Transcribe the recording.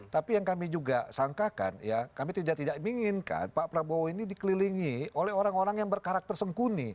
tapi yang kami juga sangkakan ya kami tidak menginginkan pak prabowo ini dikelilingi oleh orang orang yang berkarakter sengkuni